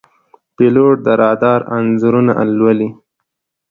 پیلوټ د رادار انځورونه لولي.